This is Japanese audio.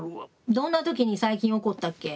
どんな時に最近怒ったっけ？